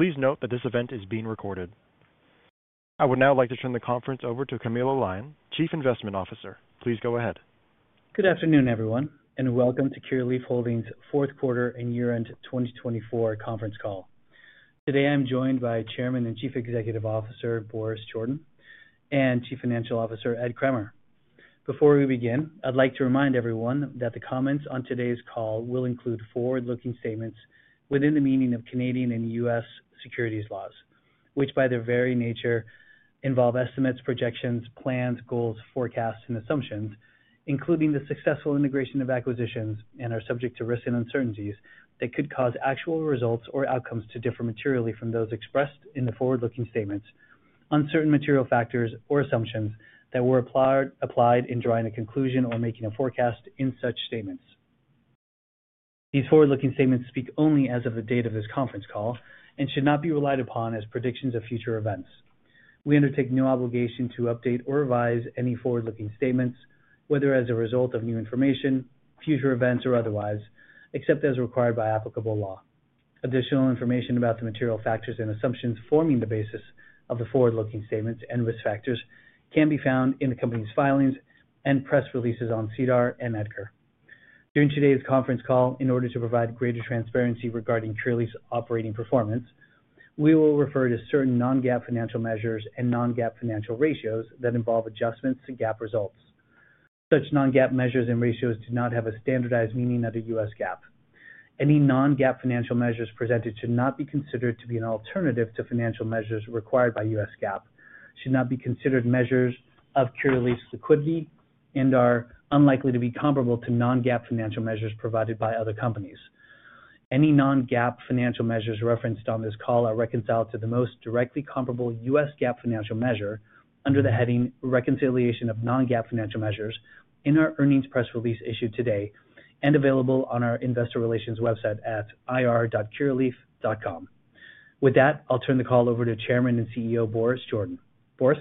Please note that this event is being recorded. I would now like to turn the conference over to Camilo Lyon, Chief Investment Officer. Please go ahead. Good afternoon, everyone, and welcome to Curaleaf Holdings' fourth quarter and year-end 2024 conference call. Today, I'm joined by Chairman and Chief Executive Officer Boris Jordan and Chief Financial Officer Ed Kremer. Before we begin, I'd like to remind everyone that the comments on today's call will include forward-looking statements within the meaning of Canadian and U.S. securities laws, which by their very nature involve estimates, projections, plans, goals, forecasts, and assumptions, including the successful integration of acquisitions and are subject to risks and uncertainties that could cause actual results or outcomes to differ materially from those expressed in the forward-looking statements, uncertain material factors, or assumptions that were applied in drawing a conclusion or making a forecast in such statements. These forward-looking statements speak only as of the date of this conference call and should not be relied upon as predictions of future events. We undertake no obligation to update or revise any forward-looking statements, whether as a result of new information, future events, or otherwise, except as required by applicable law. Additional information about the material factors and assumptions forming the basis of the forward-looking statements and risk factors can be found in the company's filings and press releases on SEDAR+ and EDGAR. During today's conference call, in order to provide greater transparency regarding Curaleaf's operating performance, we will refer to certain non-GAAP financial measures and non-GAAP financial ratios that involve adjustments to GAAP results. Such non-GAAP measures and ratios do not have a standardized meaning under U.S. GAAP. Any non-GAAP financial measures presented should not be considered to be an alternative to financial measures required by U.S. GAAP, should not be considered measures of Curaleaf's liquidity, and are unlikely to be comparable to non-GAAP financial measures provided by other companies. Any non-GAAP financial measures referenced on this call are reconciled to the most directly comparable U.S. GAAP financial measure under the heading "Reconciliation of non-GAAP financial measures" in our earnings press release issued today and available on our investor relations website at ir.curaleaf.com. With that, I'll turn the call over to Chairman and CEO Boris Jordan. Boris?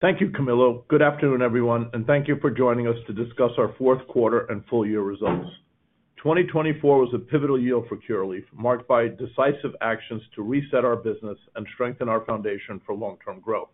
Thank you, Camilo. Good afternoon, everyone, and thank you for joining us to discuss our fourth quarter and full-year results. 2024 was a pivotal year for Curaleaf, marked by decisive actions to reset our business and strengthen our foundation for long-term growth.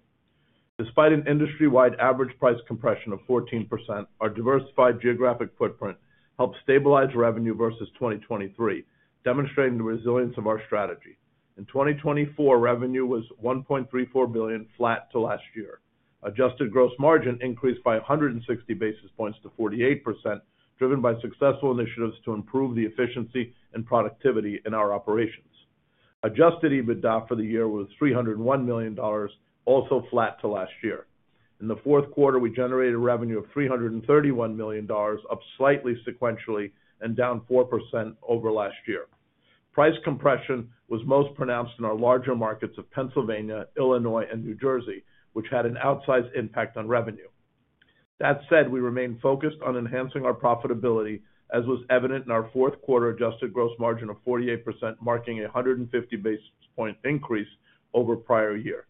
Despite an industry-wide average price compression of 14%, our diversified geographic footprint helped stabilize revenue versus 2023, demonstrating the resilience of our strategy. In 2024, revenue was $1.34 billion, flat to last year. Adjusted gross margin increased by 160 basis points to 48%, driven by successful initiatives to improve the efficiency and productivity in our operations. Adjusted EBITDA for the year was $301 million, also flat to last year. In the fourth quarter, we generated revenue of $331 million, up slightly sequentially and down 4% over last year. Price compression was most pronounced in our larger markets of Pennsylvania, Illinois, and New Jersey, which had an outsized impact on revenue. That said, we remained focused on enhancing our profitability, as was evident in our fourth quarter adjusted gross margin of 48%, marking a 150 basis point increase over prior year.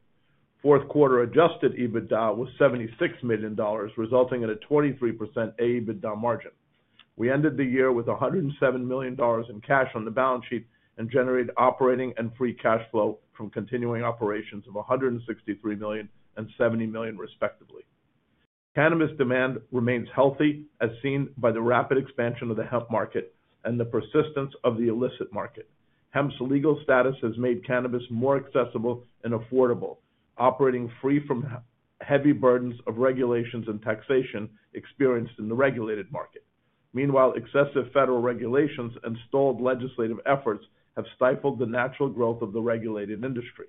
Fourth quarter Adjusted EBITDA was $76 million, resulting in a 23% EBITDA margin. We ended the year with $107 million in cash on the balance sheet and generated operating and free cash flow from continuing operations of $163 million and $70 million, respectively. Cannabis demand remains healthy, as seen by the rapid expansion of the hemp market and the persistence of the illicit market. Hemp's legal status has made cannabis more accessible and affordable, operating free from heavy burdens of regulations and taxation experienced in the regulated market. Meanwhile, excessive federal regulations and stalled legislative efforts have stifled the natural growth of the regulated industry.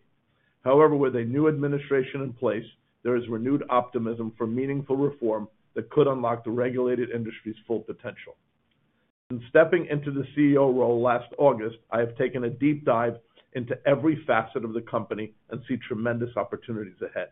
However, with a new administration in place, there is renewed optimism for meaningful reform that could unlock the regulated industry's full potential. Since stepping into the CEO role last August, I have taken a deep dive into every facet of the company and see tremendous opportunities ahead.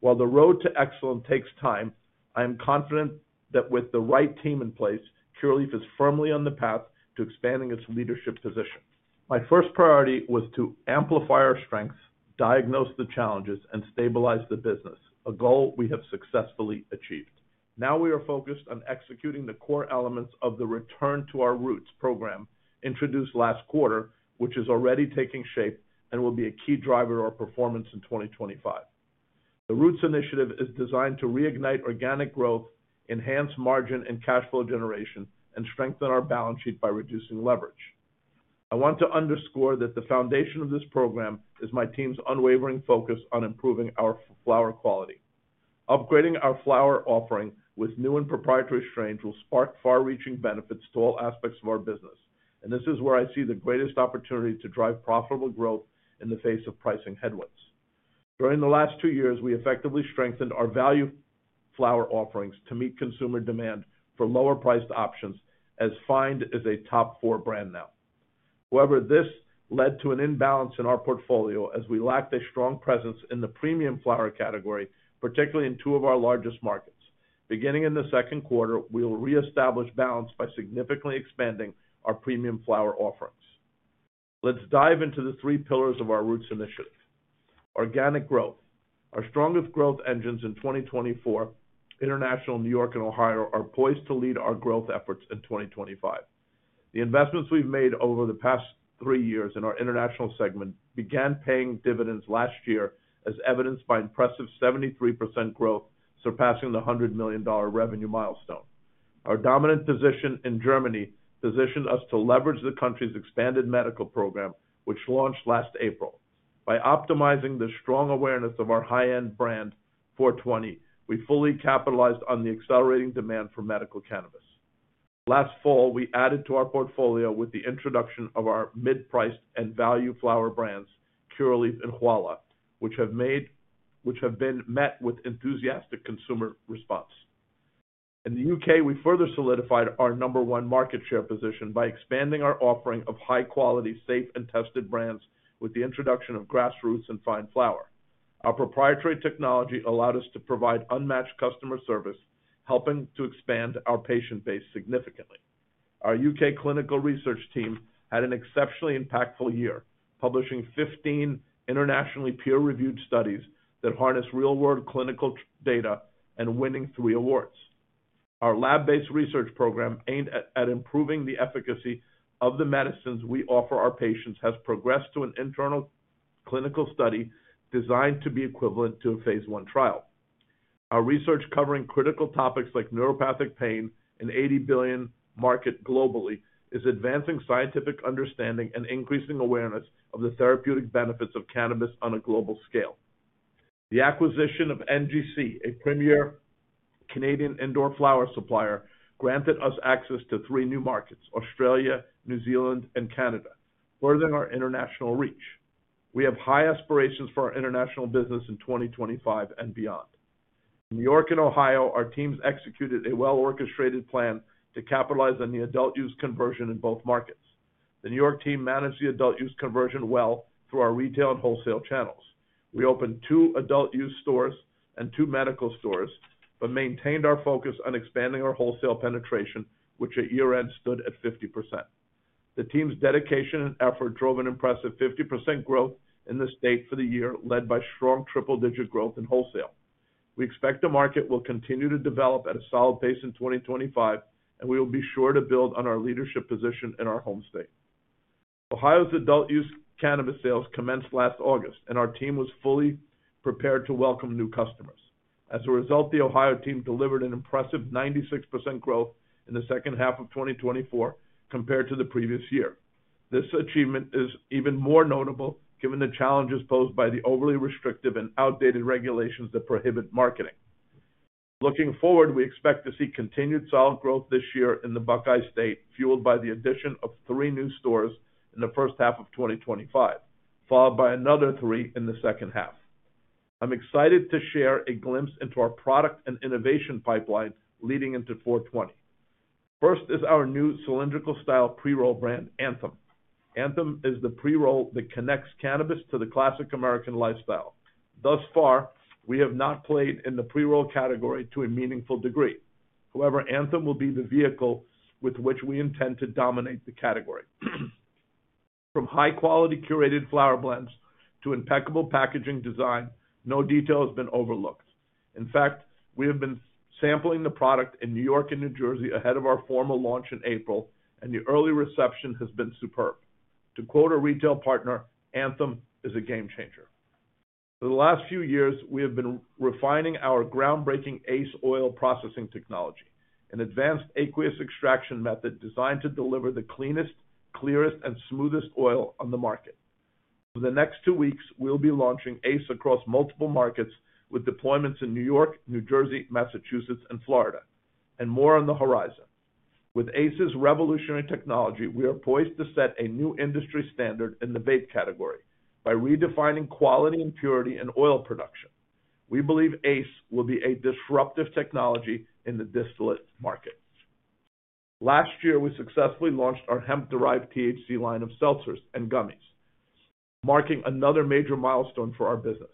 While the road to excellence takes time, I am confident that with the right team in place, Curaleaf is firmly on the path to expanding its leadership position. My first priority was to amplify our strengths, diagnose the challenges, and stabilize the business, a goal we have successfully achieved. Now we are focused on executing the core elements of the Return to Our Roots program introduced last quarter, which is already taking shape and will be a key driver of our performance in 2025. The Roots initiative is designed to reignite organic growth, enhance margin and cash flow generation, and strengthen our balance sheet by reducing leverage. I want to underscore that the foundation of this program is my team's unwavering focus on improving our flower quality. Upgrading our flower offering with new and proprietary strains will spark far-reaching benefits to all aspects of our business, and this is where I see the greatest opportunity to drive profitable growth in the face of pricing headwinds. During the last two years, we effectively strengthened our value flower offerings to meet consumer demand for lower-priced options, as Find is a top four brand now. However, this led to an imbalance in our portfolio as we lacked a strong presence in the Premium Flower category, particularly in two of our largest markets. Beginning in the second quarter, we will reestablish balance by significantly expanding our Premium Flower offerings. Let's dive into the three pillars of our Roots initiative: organic growth. Our strongest growth engines in 2024, international, New York, and Ohio, are poised to lead our growth efforts in 2025. The investments we've made over the past three years in our international segment began paying dividends last year, as evidenced by impressive 73% growth, surpassing the $100 million revenue milestone. Our dominant position in Germany positioned us to leverage the country's expanded medical program, which launched last April. By optimizing the strong awareness of our high-end brand, Four 20, we fully capitalized on the accelerating demand for medical cannabis. Last fall, we added to our portfolio with the introduction of our mid-priced and value flower brands, Curaleaf and Huala, which have been met with enthusiastic consumer response. In the U.K., we further solidified our number one market share position by expanding our offering of high-quality, safe, and tested brands with the introduction of Grassroots and Find flower. Our proprietary technology allowed us to provide unmatched customer service, helping to expand our patient base significantly. Our U.K. clinical research team had an exceptionally impactful year, publishing 15 internationally peer-reviewed studies that harness real-world clinical data and winning three awards. Our lab-based research program aimed at improving the efficacy of the medicines we offer our patients has progressed to an internal clinical study designed to be equivalent to a phase one trial. Our research covering critical topics like neuropathic pain and $80 billion market globally is advancing scientific understanding and increasing awareness of the therapeutic benefits of cannabis on a global scale. The acquisition of NGC, a premier Canadian indoor flower supplier, granted us access to three new markets: Australia, New Zealand, and Canada, furthering our international reach. We have high aspirations for our international business in 2025 and beyond. In New York and Ohio, our teams executed a well-orchestrated plan to capitalize on the adult-use conversion in both markets. The New York team managed the adult-use conversion well through our retail and wholesale channels. We opened two adult-use stores and two medical stores but maintained our focus on expanding our wholesale penetration, which at year-end stood at 50%. The team's dedication and effort drove an impressive 50% growth in the state for the year, led by strong triple-digit growth in wholesale. We expect the market will continue to develop at a solid pace in 2025, and we will be sure to build on our leadership position in our home state. Ohio's adult-use cannabis sales commenced last August, and our team was fully prepared to welcome new customers. As a result, the Ohio team delivered an impressive 96% growth in the second half of 2024 compared to the previous year. This achievement is even more notable given the challenges posed by the overly restrictive and outdated regulations that prohibit marketing. Looking forward, we expect to see continued solid growth this year in the Buckeye State, fueled by the addition of three new stores in the first half of 2025, followed by another three in the second half. I'm excited to share a glimpse into our product and innovation pipeline leading into Four 20. First is our new cylindrical-style pre-roll brand, Anthem. Anthem is the pre-roll that connects cannabis to the classic American lifestyle. Thus far, we have not played in the pre-roll category to a meaningful degree. However, Anthem will be the vehicle with which we intend to dominate the category. From high-quality curated flower blends to impeccable packaging design, no detail has been overlooked. In fact, we have been sampling the product in New York and New Jersey ahead of our formal launch in April, and the early reception has been superb. To quote a retail partner, "Anthem is a game changer." For the last few years, we have been refining our groundbreaking ACE Oil Processing technology, an advanced aqueous extraction method designed to deliver the cleanest, clearest, and smoothest oil on the market. Over the next two weeks, we'll be launching ACE across multiple markets with deployments in New York, New Jersey, Massachusetts, and Florida, and more on the horizon. With ACE's revolutionary technology, we are poised to set a new industry standard in the vape category by redefining quality and purity in oil production. We believe ACE will be a disruptive technology in the distillate market. Last year, we successfully launched our hemp-derived THC line of seltzers and gummies, marking another major milestone for our business.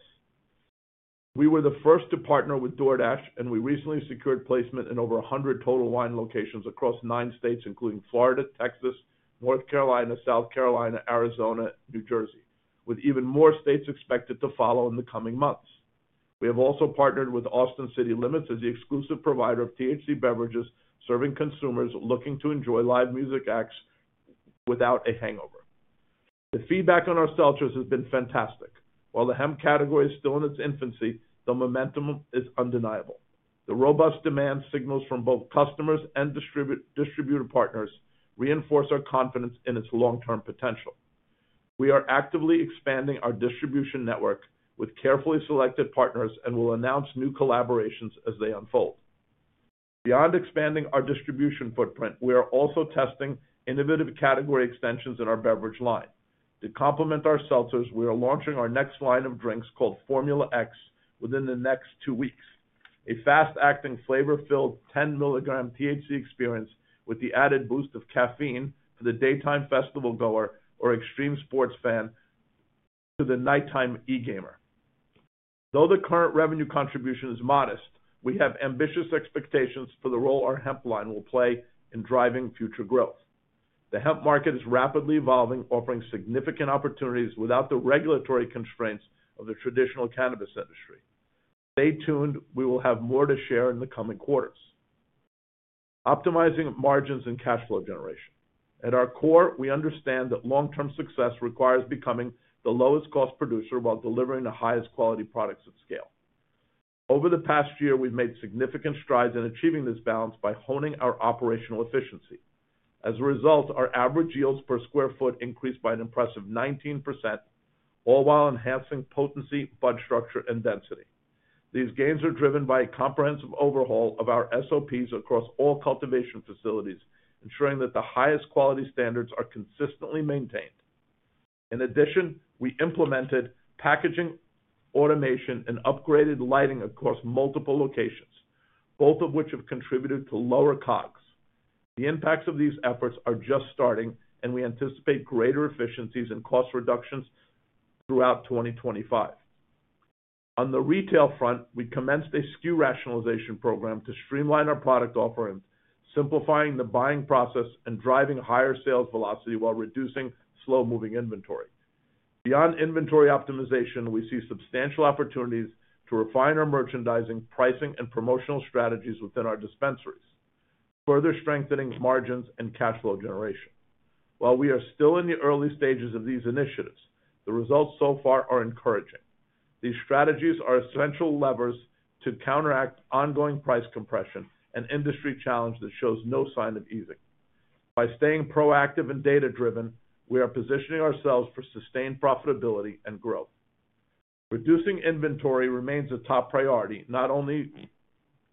We were the first to partner with DoorDash, and we recently secured placement in over 100 Total Wine locations across nine states, including Florida, Texas, North Carolina, South Carolina, Arizona, and New Jersey, with even more states expected to follow in the coming months. We have also partnered with Austin City Limits as the exclusive provider of THC beverages serving consumers looking to enjoy live music acts without a hangover. The feedback on our seltzers has been fantastic. While the hemp category is still in its infancy, the momentum is undeniable. The robust demand signals from both customers and distributor partners reinforce our confidence in its long-term potential. We are actively expanding our distribution network with carefully selected partners and will announce new collaborations as they unfold. Beyond expanding our distribution footprint, we are also testing innovative category extensions in our beverage line. To complement our seltzers, we are launching our next line of drinks called FormulaX within the next two weeks, a fast-acting, flavor-filled 10 mg THC experience with the added boost of caffeine for the daytime festival-goer or extreme sports fan to the nighttime e-gamer. Though the current revenue contribution is modest, we have ambitious expectations for the role our hemp line will play in driving future growth. The hemp market is rapidly evolving, offering significant opportunities without the regulatory constraints of the traditional cannabis industry. Stay tuned. We will have more to share in the coming quarters. Optimizing margins and cash flow generation. At our core, we understand that long-term success requires becoming the lowest-cost producer while delivering the highest-quality products at scale. Over the past year, we've made significant strides in achieving this balance by honing our operational efficiency. As a result, our average yields per square foot increased by an impressive 19%, all while enhancing potency, bud structure, and density. These gains are driven by a comprehensive overhaul of our SOPs across all cultivation facilities, ensuring that the highest quality standards are consistently maintained. In addition, we implemented packaging automation and upgraded lighting across multiple locations, both of which have contributed to lower COGS. The impacts of these efforts are just starting, and we anticipate greater efficiencies and cost reductions throughout 2025. On the retail front, we commenced a SKU rationalization program to streamline our product offerings, simplifying the buying process and driving higher sales velocity while reducing slow-moving inventory. Beyond inventory optimization, we see substantial opportunities to refine our merchandising, pricing, and promotional strategies within our dispensaries, further strengthening margins and cash flow generation. While we are still in the early stages of these initiatives, the results so far are encouraging. These strategies are essential levers to counteract ongoing price compression and industry challenges that show no sign of easing. By staying proactive and data-driven, we are positioning ourselves for sustained profitability and growth. Reducing inventory remains a top priority, not only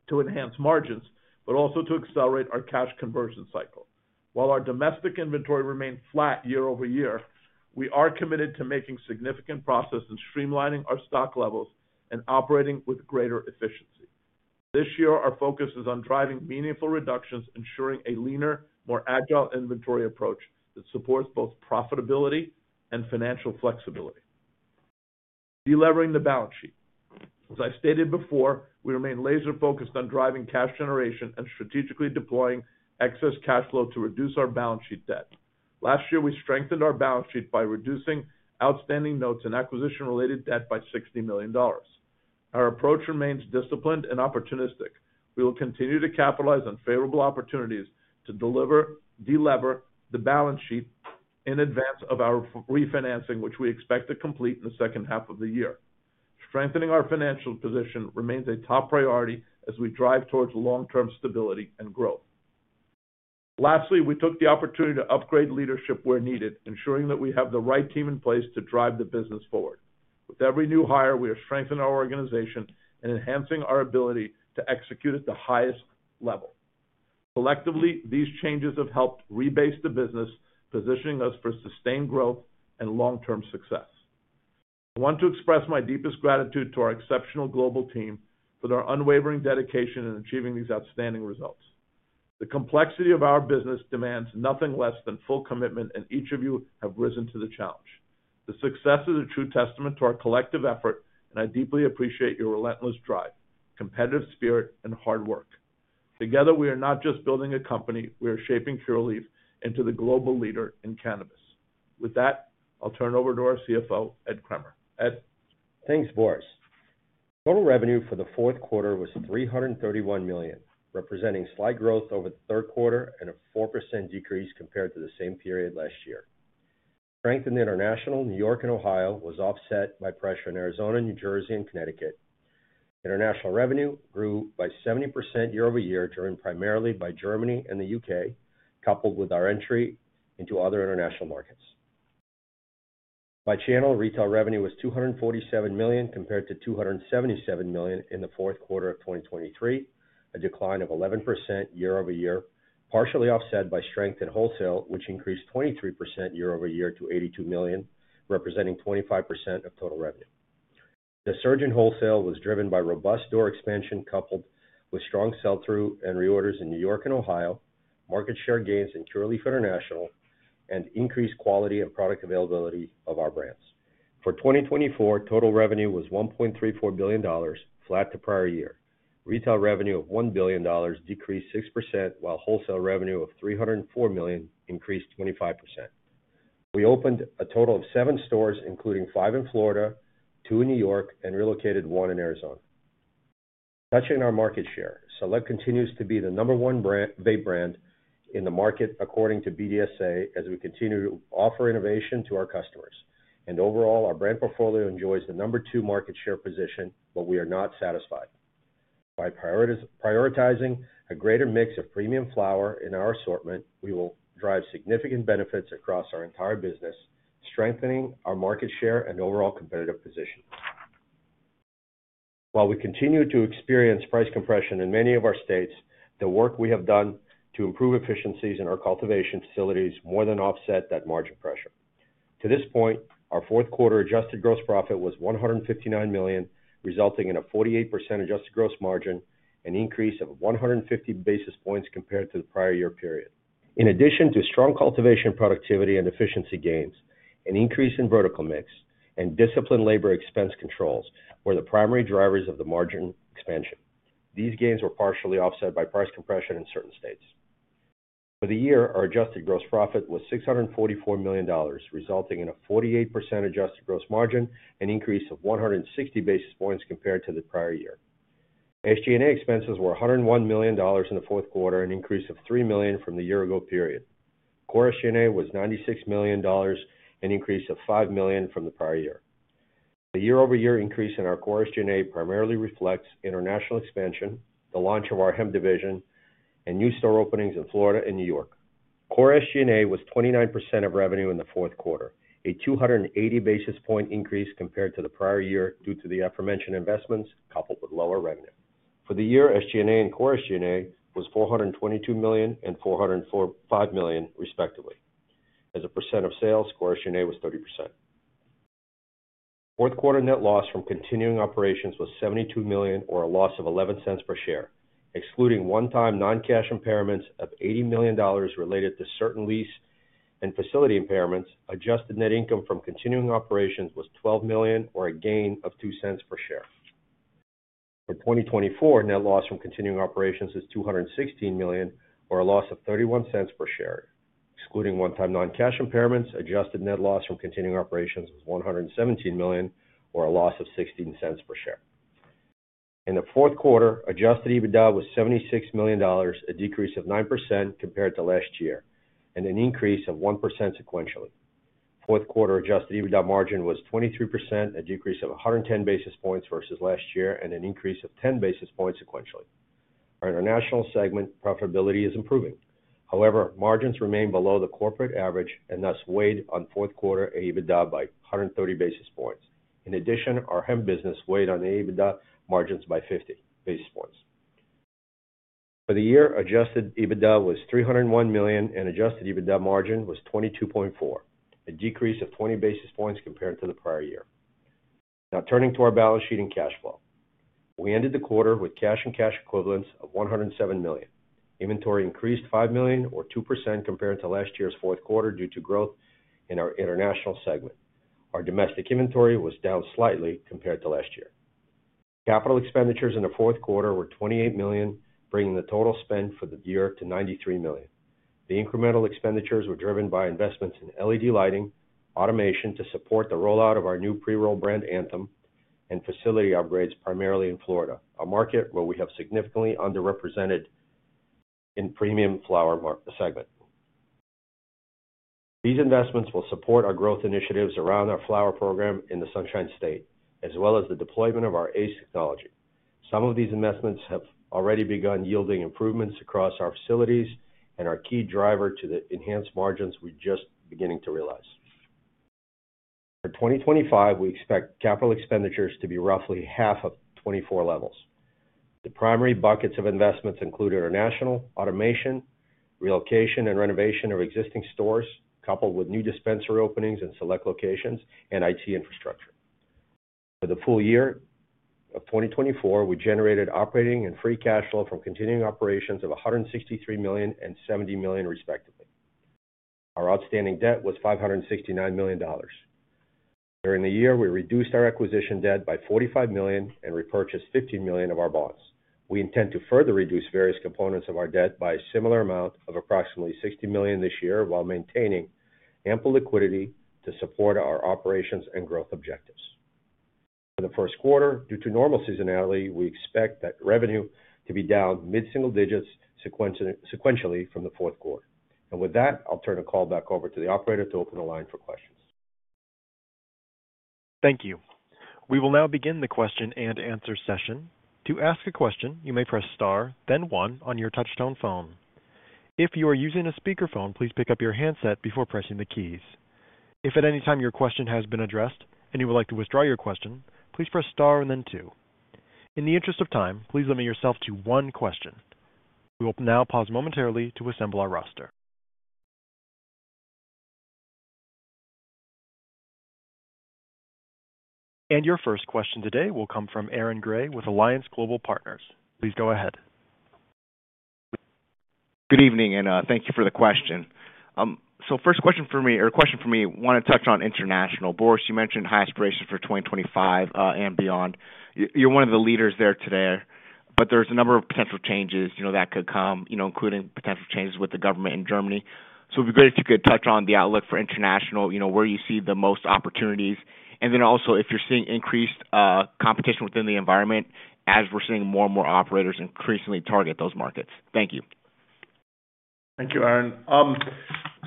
to enhance margins but also to accelerate our cash conversion cycle. While our domestic inventory remains flat year over year, we are committed to making significant progress in streamlining our stock levels and operating with greater efficiency. This year, our focus is on driving meaningful reductions, ensuring a leaner, more agile inventory approach that supports both profitability and financial flexibility. Delivering the balance sheet. As I stated before, we remain laser-focused on driving cash generation and strategically deploying excess cash flow to reduce our balance sheet debt. Last year, we strengthened our balance sheet by reducing outstanding notes and acquisition-related debt by $60 million. Our approach remains disciplined and opportunistic. We will continue to capitalize on favorable opportunities to deliver, delever the balance sheet in advance of our refinancing, which we expect to complete in the second half of the year. Strengthening our financial position remains a top priority as we drive towards long-term stability and growth. Lastly, we took the opportunity to upgrade leadership where needed, ensuring that we have the right team in place to drive the business forward. With every new hire, we are strengthening our organization and enhancing our ability to execute at the highest level. Collectively, these changes have helped rebase the business, positioning us for sustained growth and long-term success. I want to express my deepest gratitude to our exceptional global team for their unwavering dedication in achieving these outstanding results. The complexity of our business demands nothing less than full commitment, and each of you has risen to the challenge. The success is a true testament to our collective effort, and I deeply appreciate your relentless drive, competitive spirit, and hard work. Together, we are not just building a company. We are shaping Curaleaf into the global leader in cannabis. With that, I'll turn it over to our CFO, Ed Kremer. Ed. Thanks, Boris. Total revenue for the fourth quarter was $331 million, representing slight growth over the third quarter and a 4% decrease compared to the same period last year. Strength in international, New York and Ohio, was offset by pressure in Arizona, New Jersey, and Connecticut. International revenue grew by 70% year-over-year, driven primarily by Germany and the U.K., coupled with our entry into other international markets. By channel, retail revenue was $247 million compared to $277 million in the fourth quarter of 2023, a decline of 11% year-over-year, partially offset by strength in wholesale, which increased 23% year-over-year to $82 million, representing 25% of total revenue. The surge in wholesale was driven by robust door expansion coupled with strong sell-through and reorders in New York and Ohio, market share gains in Curaleaf International, and increased quality and product availability of our brands. For 2024, total revenue was $1.34 billion, flat to prior year. Retail revenue of $1 billion decreased 6%, while wholesale revenue of $304 million increased 25%. We opened a total of seven stores, including five in Florida, two in New York, and relocated one in Arizona. Touching on our market share, Select continues to be the number one vape brand in the market, according to BDSA, as we continue to offer innovation to our customers, and overall, our brand portfolio enjoys the number two market share position, but we are not satisfied. By prioritizing a greater mix of Premium Flower in our assortment, we will drive significant benefits across our entire business, strengthening our market share and overall competitive position. While we continue to experience price compression in many of our states, the work we have done to improve efficiencies in our cultivation facilities more than offsets that margin pressure. To this point, our fourth quarter adjusted gross profit was $159 million, resulting in a 48% adjusted gross margin, an increase of 150 basis points compared to the prior year period. In addition to strong cultivation productivity and efficiency gains, an increase in vertical mix and disciplined labor expense controls were the primary drivers of the margin expansion. These gains were partially offset by price compression in certain states. For the year, our adjusted gross profit was $644 million, resulting in a 48% adjusted gross margin and an increase of 160 basis points compared to the prior year. SG&A expenses were $101 million in the fourth quarter, an increase of $3 million from the year-ago period. Core SG&A was $96 million, an increase of $5 million from the prior year. The year-over-year increase in our Core SG&A primarily reflects international expansion, the launch of our hemp division, and new store openings in Florida and New York. Core SG&A was 29% of revenue in the fourth quarter, a 280 basis point increase compared to the prior year due to the aforementioned investments coupled with lower revenue. For the year, SG&A and Core SG&A was $422 million and $405 million, respectively. As a percent of sales, Core SG&A was 30%. Fourth quarter net loss from continuing operations was $72 million, or a loss of $0.11 per share. Excluding one-time non-cash impairments of $80 million related to certain lease and facility impairments, adjusted net income from continuing operations was $12 million, or a gain of $0.02 per share. For 2024, net loss from continuing operations is $216 million, or a loss of $0.31 per share. Excluding one-time non-cash impairments, adjusted net loss from continuing operations was $117 million, or a loss of $0.16 per share. In the fourth quarter, Adjusted EBITDA was $76 million, a decrease of 9% compared to last year, and an increase of 1% sequentially. Fourth quarter Adjusted EBITDA margin was 23%, a decrease of 110 basis points versus last year, and an increase of 10 basis points sequentially. Our international segment profitability is improving. However, margins remain below the corporate average and thus weighed on fourth quarter EBITDA by 130 basis points. In addition, our hemp business weighed on the EBITDA margins by 50 basis points. For the year, Adjusted EBITDA was $301 million, and Adjusted EBITDA margin was 22.4%, a decrease of 20 basis points compared to the prior year. Now, turning to our balance sheet and cash flow. We ended the quarter with cash and cash equivalents of $107 million. Inventory increased $5 million, or 2% compared to last year's fourth quarter due to growth in our international segment. Our domestic inventory was down slightly compared to last year. Capital expenditures in the fourth quarter were $28 million, bringing the total spend for the year to $93 million. The incremental expenditures were driven by investments in LED lighting, automation to support the rollout of our new pre-roll brand, Anthem, and facility upgrades, primarily in Florida, a market where we have significantly underrepresented in the Premium Flower segment. These investments will support our growth initiatives around our flower program in the Sunshine State, as well as the deployment of our ACE technology. Some of these investments have already begun yielding improvements across our facilities and are a key driver to the enhanced margins we're just beginning to realize. For 2025, we expect capital expenditures to be roughly half of 2024 levels. The primary buckets of investments include international, automation, relocation, and renovation of existing stores, coupled with new dispensary openings in select locations and IT infrastructure. For the full year of 2024, we generated operating and free cash flow from continuing operations of $163 million and $70 million, respectively. Our outstanding debt was $569 million. During the year, we reduced our acquisition debt by $45 million and repurchased $15 million of our bonds. We intend to further reduce various components of our debt by a similar amount of approximately $60 million this year, while maintaining ample liquidity to support our operations and growth objectives. For the first quarter, due to normal seasonality, we expect that revenue to be down mid-single digits sequentially from the fourth quarter. And with that, I'll turn the call back over to the operator to open the line for questions. Thank you. We will now begin the question-and-answer session. To ask a question, you may press star, then one on your touch-tone phone. If you are using a speakerphone, please pick up your handset before pressing the keys. If at any time your question has been addressed and you would like to withdraw your question, please press star and then two. In the interest of time, please limit yourself to one question. We will now pause momentarily to assemble our roster, and your first question today will come from Aaron Grey with Alliance Global Partners. Please go ahead. Good evening, and thank you for the question. So first question for me, or question for me, I want to touch on international. Boris, you mentioned high aspirations for 2025 and beyond. You're one of the leaders there today, but there's a number of potential changes that could come, including potential changes with the government in Germany. So it would be great if you could touch on the outlook for international, where you see the most opportunities, and then also if you're seeing increased competition within the environment as we're seeing more and more operators increasingly target those markets. Thank you. Thank you, Aaron.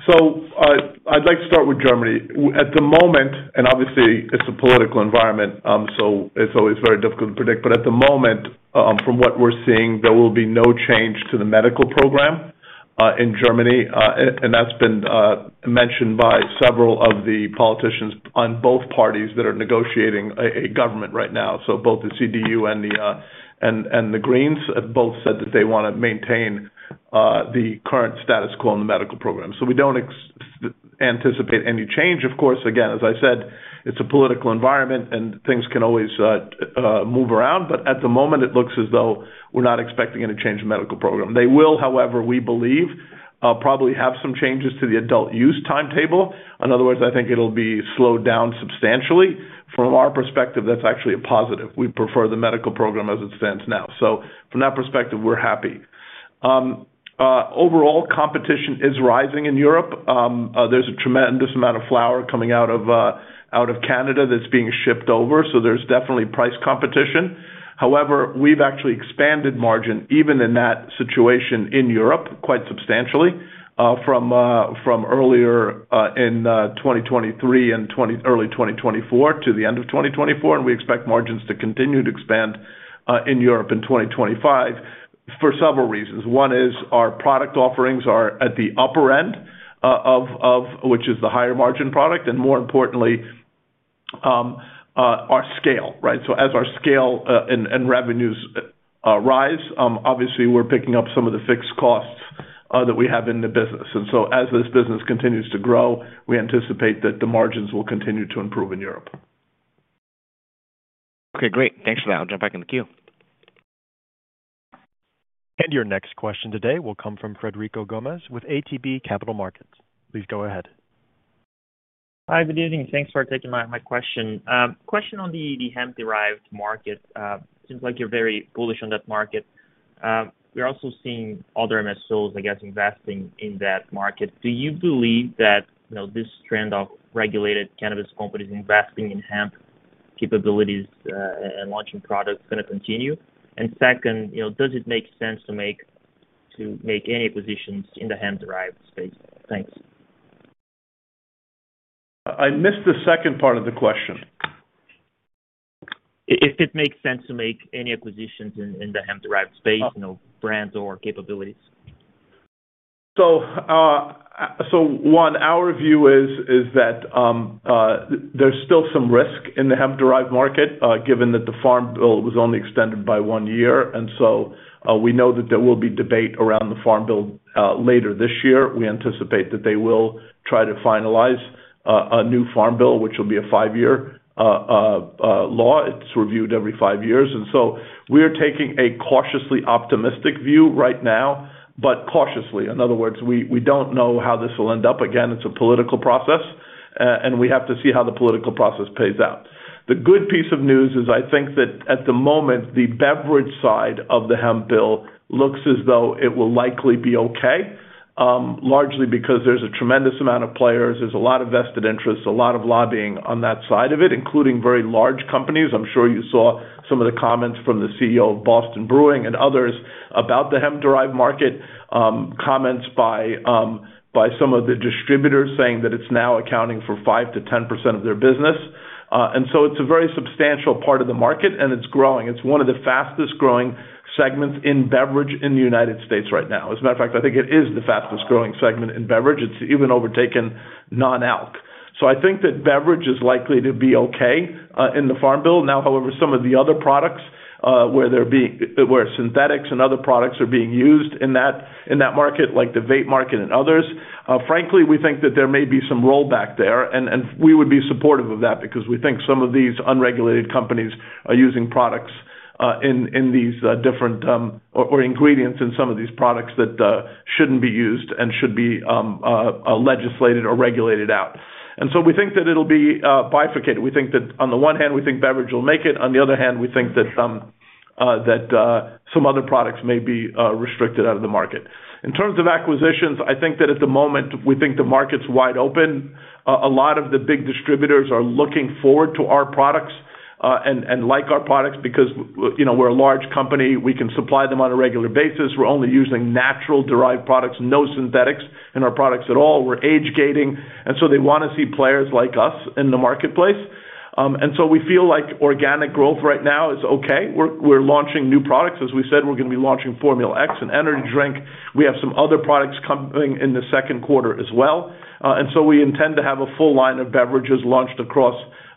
So I'd like to start with Germany. At the moment, and obviously, it's a political environment, so it's always very difficult to predict, but at the moment, from what we're seeing, there will be no change to the medical program in Germany, and that's been mentioned by several of the politicians on both parties that are negotiating a government right now. So both the CDU and the Greens have both said that they want to maintain the current status quo in the medical program. So we don't anticipate any change. Of course, again, as I said, it's a political environment, and things can always move around, but at the moment, it looks as though we're not expecting any change in the medical program. They will, however, we believe, probably have some changes to the adult use timetable. In other words, I think it'll be slowed down substantially. From our perspective, that's actually a positive. We prefer the medical program as it stands now. So from that perspective, we're happy. Overall, competition is rising in Europe. There's a tremendous amount of flower coming out of Canada that's being shipped over, so there's definitely price competition. However, we've actually expanded margin even in that situation in Europe quite substantially from earlier in 2023 and early 2024 to the end of 2024, and we expect margins to continue to expand in Europe in 2025 for several reasons. One is our product offerings are at the upper end, which is the higher margin product, and more importantly, our scale, right? So as our scale and revenues rise, obviously, we're picking up some of the fixed costs that we have in the business. And so as this business continues to grow, we anticipate that the margins will continue to improve in Europe. Okay, great. Thanks for that. I'll jump back in the queue. And your next question today will come from Frederico Gomes with ATB Capital Markets. Please go ahead. Hi, good evening. Thanks for taking my question. Question on the hemp-derived market. Seems like you're very bullish on that market. We're also seeing other MSOs, I guess, investing in that market. Do you believe that this trend of regulated cannabis companies investing in hemp capabilities and launching products is going to continue? And second, does it make sense to make any acquisitions in the hemp-derived space? Thanks. I missed the second part of the question. If it makes sense to make any acquisitions in the hemp-derived space, brands or capabilities? So one, our view is that there's still some risk in the hemp-derived market, given that the Farm Bill was only extended by one year. And so we know that there will be debate around the Farm Bill later this year. We anticipate that they will try to finalize a new Farm Bill, which will be a five-year law. It's reviewed every five years. And so we're taking a cautiously optimistic view right now, but cautiously. In other words, we don't know how this will end up. Again, it's a political process, and we have to see how the political process plays out. The good piece of news is I think that at the moment, the beverage side of the hemp bill looks as though it will likely be okay, largely because there's a tremendous amount of players. There's a lot of vested interests, a lot of lobbying on that side of it, including very large companies. I'm sure you saw some of the comments from the CEO of Boston Beer and others about the hemp-derived market, comments by some of the distributors saying that it's now accounting for 5%-10% of their business. And so it's a very substantial part of the market, and it's growing. It's one of the fastest-growing segments in beverage in the United States right now. As a matter of fact, I think it is the fastest-growing segment in beverage. It's even overtaken non-alc. So I think that beverage is likely to be okay in the Farm Bill. Now, however, some of the other products where synthetics and other products are being used in that market, like the vape market and others, frankly, we think that there may be some rollback there. And we would be supportive of that because we think some of these unregulated companies are using products in these different or ingredients in some of these products that shouldn't be used and should be legislated or regulated out. And so we think that it'll be bifurcated. We think that on the one hand, we think beverage will make it. On the other hand, we think that some other products may be restricted out of the market. In terms of acquisitions, I think that at the moment, we think the market's wide open. A lot of the big distributors are looking forward to our products and like our products because we're a large company. We can supply them on a regular basis. We're only using natural-derived products, no synthetics in our products at all. We're age-gating. And so they want to see players like us in the marketplace. And so we feel like organic growth right now is okay. We're launching new products. As we said, we're going to be launching FormulaX and energy drink. We have some other products coming in the second quarter as well. And so we intend to have a full line of beverages launched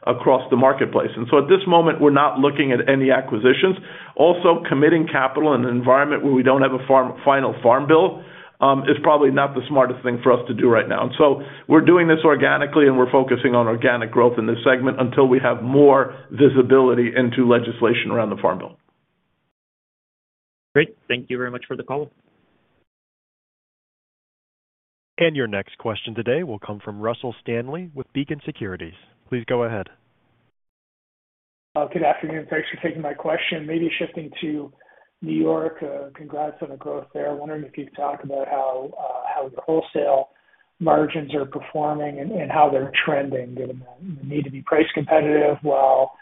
across the marketplace. And so at this moment, we're not looking at any acquisitions. Also, committing capital in an environment where we don't have a final Farm Bill is probably not the smartest thing for us to do right now. And so we're doing this organically, and we're focusing on organic growth in this segment until we have more visibility into legislation around the Farm Bill. Great. Thank you very much for the call. And your next question today will come from Russell Stanley with Beacon Securities. Please go ahead. Good afternoon. Thanks for taking my question. Maybe shifting to New York. Congrats on the growth there. Wondering if you could talk about how your wholesale margins are performing and how they're trending, given the need to be price competitive, while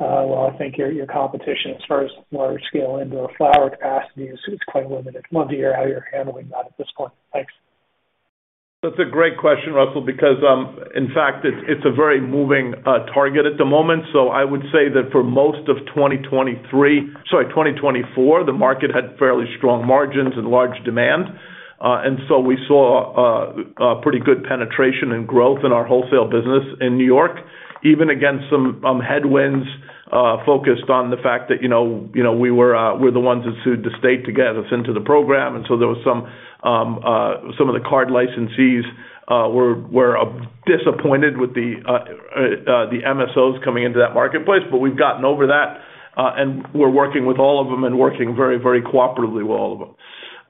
I think your competition as far as large-scale indoor flower capacity is quite limited. Love to hear how you're handling that at this point. Thanks. That's a great question, Russell, because, in fact, it's a very moving target at the moment. So I would say that for most of 2023, sorry, 2024, the market had fairly strong margins and large demand. And so we saw pretty good penetration and growth in our wholesale business in New York, even against some headwinds focused on the fact that we were the ones that sued the state to get us into the program. And so there was some of the card licensees were disappointed with the MSOs coming into that marketplace, but we've gotten over that, and we're working with all of them and working very, very cooperatively with all of them.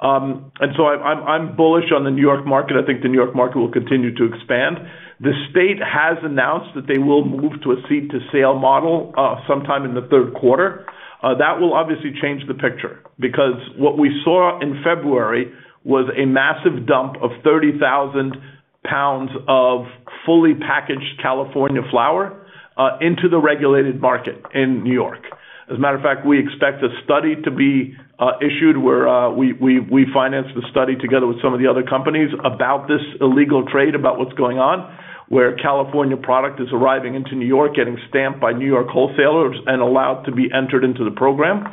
And so I'm bullish on the New York market. I think the New York market will continue to expand. The state has announced that they will move to a seed-to-sale model sometime in the third quarter. That will obviously change the picture because what we saw in February was a massive dump of 30,000 lbs of fully packaged California flower into the regulated market in New York. As a matter of fact, we expect a study to be issued where we financed the study together with some of the other companies about this illegal trade, about what's going on, where California product is arriving into New York, getting stamped by New York wholesalers and allowed to be entered into the program,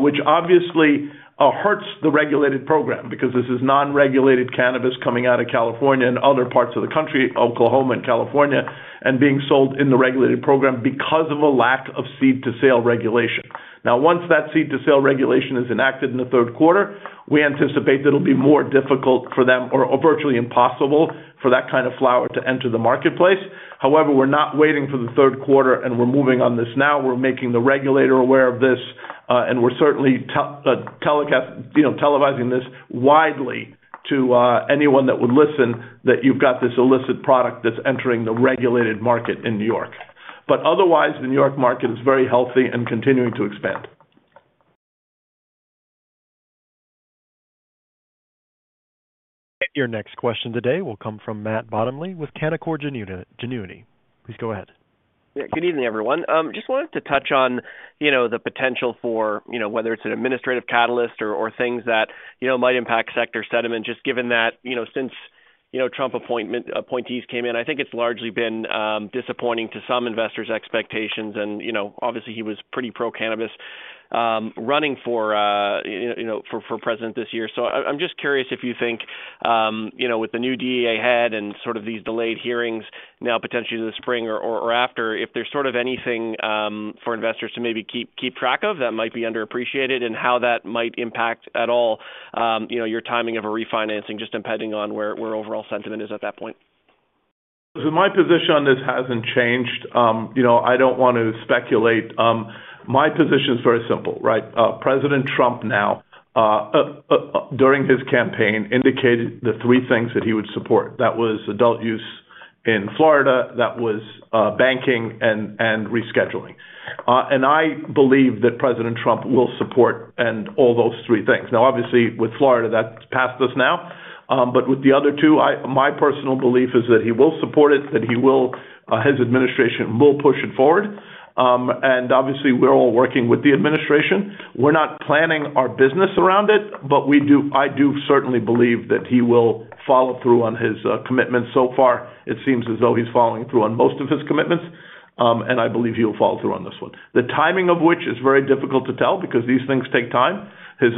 which obviously hurts the regulated program because this is non-regulated cannabis coming out of California and other parts of the country, Oklahoma and California, and being sold in the regulated program because of a lack of seed-to-sale regulation. Now, once that seed-to-sale regulation is enacted in the third quarter, we anticipate that it'll be more difficult for them or virtually impossible for that kind of flower to enter the marketplace. However, we're not waiting for the third quarter, and we're moving on this now. We're making the regulator aware of this, and we're certainly televising this widely to anyone that would listen that you've got this illicit product that's entering the regulated market in New York. But otherwise, the New York market is very healthy and continuing to expand. And your next question today will come from Matt Bottomley with Canaccord Genuity. Please go ahead. Yeah. Good evening, everyone. Just wanted to touch on the potential for whether it's an administrative catalyst or things that might impact sector sentiment, just given that since Trump appointees came in, I think it's largely been disappointing to some investors' expectations. And obviously, he was pretty pro-cannabis running for president this year. So I'm just curious if you think with the new DEA head and sort of these delayed hearings now potentially in the spring or after, if there's sort of anything for investors to maybe keep track of that might be underappreciated and how that might impact at all your timing of a refinancing, just impending on where overall sentiment is at that point? So my position on this hasn't changed. I don't want to speculate. My position is very simple, right? President Trump now, during his campaign, indicated the three things that he would support. That was adult use in Florida, that was banking, and rescheduling. And I believe that President Trump will support all those three things. Now, obviously, with Florida, that's past us now. But with the other two, my personal belief is that he will support it, that his administration will push it forward. And obviously, we're all working with the administration. We're not planning our business around it, but I do certainly believe that he will follow through on his commitments. So far, it seems as though he's following through on most of his commitments, and I believe he will follow through on this one. The timing of which is very difficult to tell because these things take time. His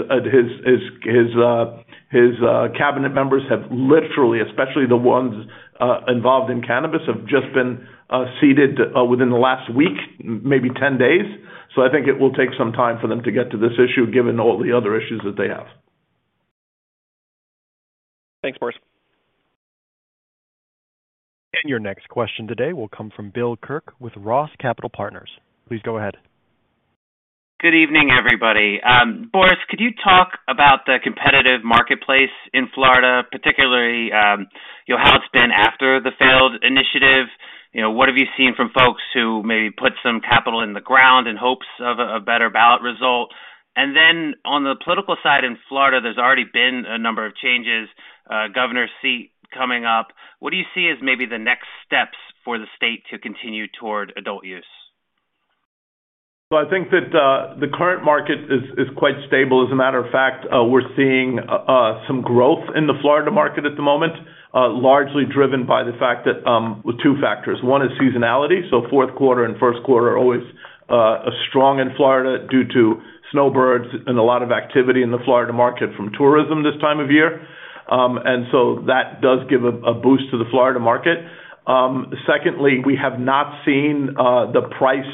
cabinet members have literally, especially the ones involved in cannabis, just been seated within the last week, maybe 10 days. So I think it will take some time for them to get to this issue, given all the other issues that they have. Thanks, Boris. And your next question today will come from Bill Kirk with ROTH Capital Partners. Please go ahead. Good evening, everybody. Boris, could you talk about the competitive marketplace in Florida, particularly how it's been after the failed initiative? What have you seen from folks who maybe put some capital in the ground in hopes of a better ballot result? And then on the political side in Florida, there's already been a number of changes, governor's seat coming up. What do you see as maybe the next steps for the state to continue toward adult use? Well, I think that the current market is quite stable. As a matter of fact, we're seeing some growth in the Florida market at the moment, largely driven by the fact that two factors. One is seasonality. So fourth quarter and first quarter are always strong in Florida due to snowbirds and a lot of activity in the Florida market from tourism this time of year. And so that does give a boost to the Florida market. Secondly, we have not seen the price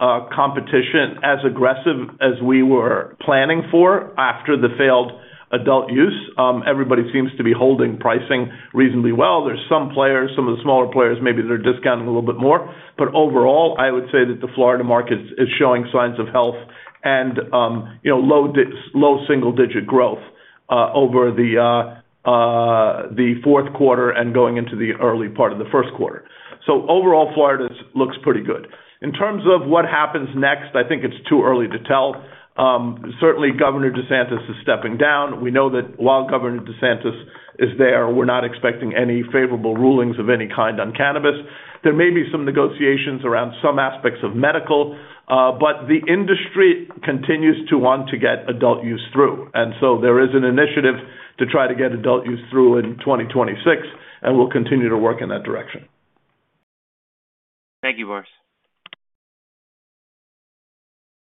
competition as aggressive as we were planning for after the failed adult use. Everybody seems to be holding pricing reasonably well. There's some players, some of the smaller players, maybe they're discounting a little bit more. But overall, I would say that the Florida market is showing signs of health and low single-digit growth over the fourth quarter and going into the early part of the first quarter. So overall, Florida looks pretty good. In terms of what happens next, I think it's too early to tell. Certainly, Governor DeSantis is stepping down. We know that while Governor DeSantis is there, we're not expecting any favorable rulings of any kind on cannabis. There may be some negotiations around some aspects of medical, but the industry continues to want to get adult-use through. And so there is an initiative to try to get adult-use through in 2026, and we'll continue to work in that direction. Thank you, Boris.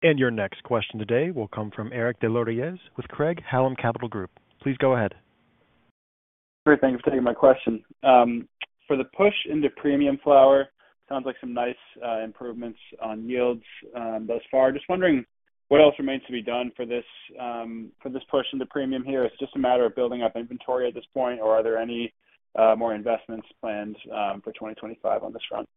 And your next question today will come from Eric Des Lauriers with Craig-Hallum Capital Group. Please go ahead. Great. Thank you for taking my question. For the push into Premium Flower, sounds like some nice improvements on yields thus far. Just wondering what else remains to be done for this push into premium here. It's just a matter of building up inventory at this point, or are there any more investments planned for 2025 on this front?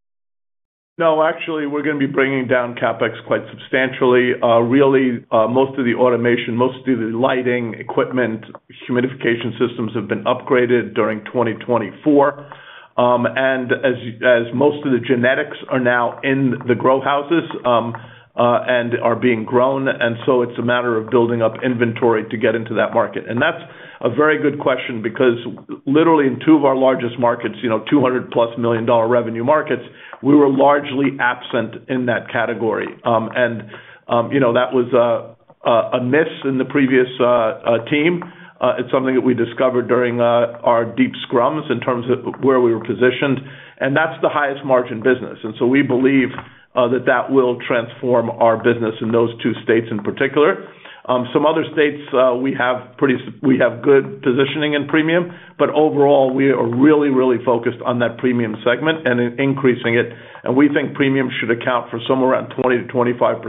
No, actually, we're going to be bringing down CapEx quite substantially. Really, most of the automation, most of the lighting, equipment, humidification systems have been upgraded during 2024. And as most of the genetics are now in the grow houses and are being grown, and so it's a matter of building up inventory to get into that market. And that's a very good question because literally in two of our largest markets, $200+ million revenue markets, we were largely absent in that category. And that was a miss in the previous team. It's something that we discovered during our deep scrums in terms of where we were positioned. And that's the highest margin business. And so we believe that that will transform our business in those two states in particular. Some other states, we have good positioning in premium, but overall, we are really, really focused on that premium segment and increasing it. And we think premium should account for somewhere around 20%-25%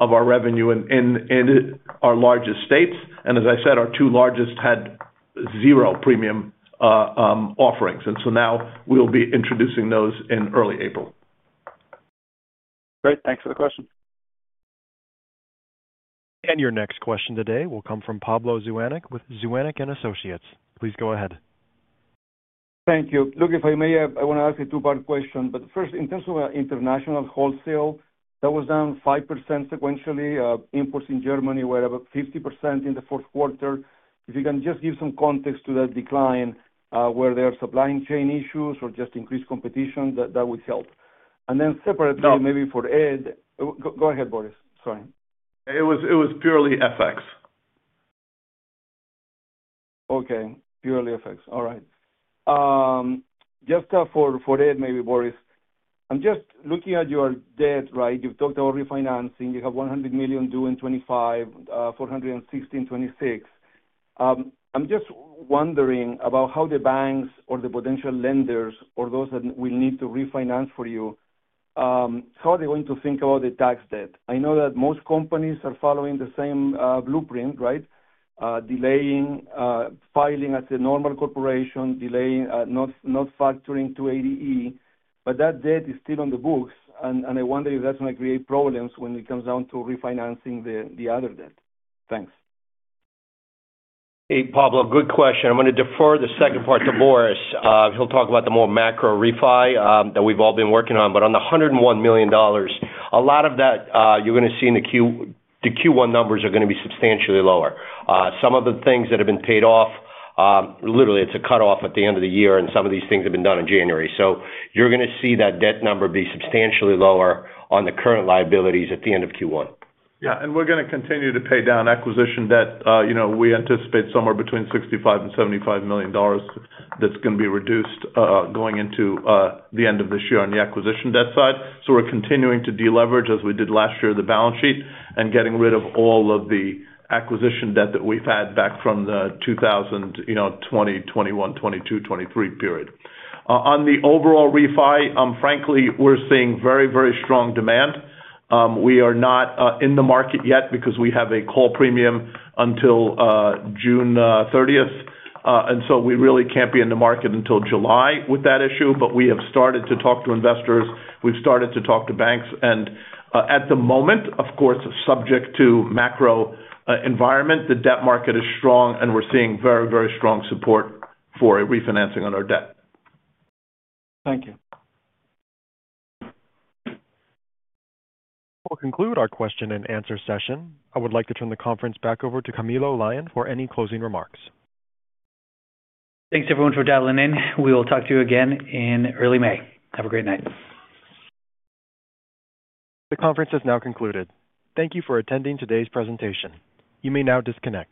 of our revenue in our largest states. And as I said, our two largest had zero premium offerings. And so now we'll be introducing those in early April. Great. Thanks for the question. And your next question today will come from Pablo Zuanic with Zuanic & Associates. Please go ahead. Thank you. Pablo Zuanic, I want to ask a two-part question. But first, in terms of international wholesale, that was down 5% sequentially. Imports in Germany were about 50% in the fourth quarter. If you can just give some context to that decline, whether there are supply chain issues or just increased competition, that would help. And then separately, maybe for Ed. Go ahead, Boris. Sorry. It was purely FX. Okay. Purely FX. All right. Just for Ed, maybe, Boris. I'm just looking at your debt, right? You've talked about refinancing. You have $100 million due in 2025, $416 million in 2026. I'm just wondering about how the banks or the potential lenders or those that will need to refinance for you, how are they going to think about the tax debt? I know that most companies are following the same blueprint, right? Delaying filing as a normal corporation, delaying not factoring the 280E. But that debt is still on the books, and I wonder if that's going to create problems when it comes down to refinancing the other debt. Thanks. Hey, Pablo, good question. I'm going to defer the second part to Boris. He'll talk about the more macro refi that we've all been working on. But on the $101 million, a lot of that you're going to see in the Q1 numbers are going to be substantially lower. Some of the things that have been paid off, literally, it's a cutoff at the end of the year, and some of these things have been done in January. So you're going to see that debt number be substantially lower on the current liabilities at the end of Q1. Yeah. And we're going to continue to pay down acquisition debt. We anticipate somewhere between $65 million-$75 million that's going to be reduced going into the end of this year on the acquisition debt side. So we're continuing to deleverage as we did last year of the balance sheet and getting rid of all of the acquisition debt that we've had back from the 2020, 2021, 2022, 2023 period. On the overall refi, frankly, we're seeing very, very strong demand. We are not in the market yet because we have a call premium until June 30th. And so we really can't be in the market until July with that issue. But we have started to talk to investors. We've started to talk to banks. And at the moment, of course, subject to macro environment, the debt market is strong, and we're seeing very, very strong support for refinancing on our debt. Thank you. We'll conclude our question-and-answer session. I would like to turn the conference back over to Camilo Lyon for any closing remarks. Thanks, everyone, for dialing in. We will talk to you again in earlym May. Have a great night. The conference has now concluded. Thank you for attending today's presentation. You may now disconnect.